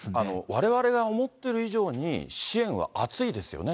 われわれが思っている以上に支援は厚いですよね。